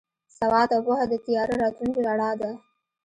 سواد او پوهه د تیاره راتلونکي رڼا ده.